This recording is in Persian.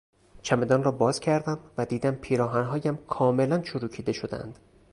چمدان را باز کردم و دیدم پیراهنهایم کاملا چروکیده شدهاند.